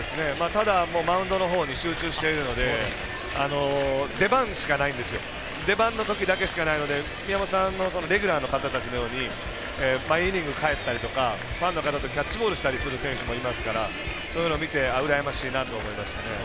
ただ、マウンドのほうに集中しているので出番しかないんですよ。出番のときしかないので宮本さんのレギュラーの方たちのように毎イニング、帰ったりとかファンの方とキャッチボールしたりする選手もいますから、そういうの見てうらやましいなとは思いました。